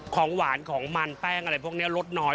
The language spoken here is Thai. ของหวานของมันแป้งอะไรพวกนี้ลดน้อย